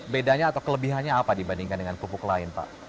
bedanya atau kelebihannya apa dibandingkan dengan pupuk lain pak